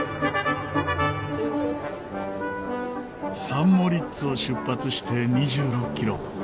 サン・モリッツを出発して２６キロ。